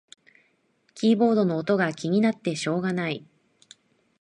キーボードの音が気になってしょうがない